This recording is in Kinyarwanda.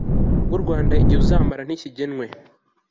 bw u Rwanda Igihe uzamara ntikigenwe